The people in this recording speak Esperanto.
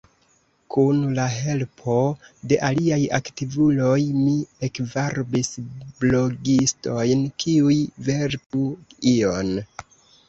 Kun la helpo de aliaj aktivuloj, mi ekvarbis blogistojn kiuj verku ion.